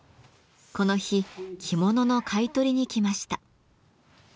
この日着物の買い取りに来ました。